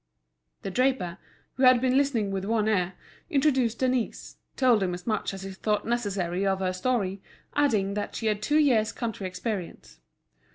The draper, who had been listening with one ear, introduced Denise, told him as much as he thought necessary of her story, adding that she had two years' country experience.